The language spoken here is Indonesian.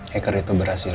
hacker itu berhasil